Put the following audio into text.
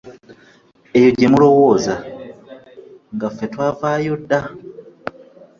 Eyo gye mulowooza nga ffe twavaayo dda!